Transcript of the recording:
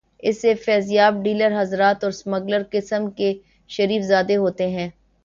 اس سے فیضیاب ڈیلر حضرات اور سمگلر قسم کے شریف زادے ہوتے ہیں۔